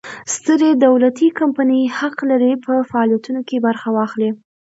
سترې دولتي کمپنۍ حق لري په فعالیتونو کې برخه واخلي.